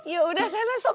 ya udah saya naun sok